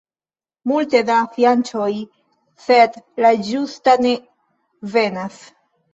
Multe da fianĉoj, sed la ĝusta ne venas.